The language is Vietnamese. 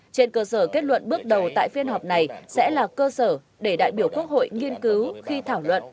trên cơ sở kết luận bước đầu tại phiên họp này sẽ là cơ sở để đại biểu quốc hội nghiên cứu khi thảo luận